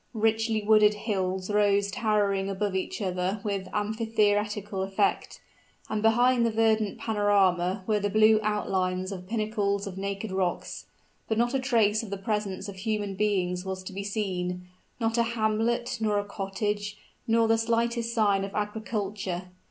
Richly wooded hills rose towering above each other with amphitheatrical effect; and behind the verdant panorama were the blue outlines of pinnacles of naked rocks. But not a trace of the presence of human beings was to be seen not a hamlet, nor a cottage, nor the slightest sign of agriculture!